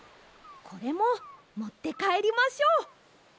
これももってかえりましょう。